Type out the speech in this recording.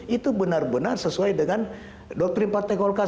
itu benar benar sesuai dengan doktrin partai golkar